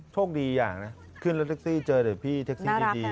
โชคดีอย่างนะขึ้นรถแท็กซี่เจอเดี๋ยวพี่แท็กซี่ดี